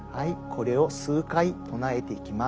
これを数回唱えていきます。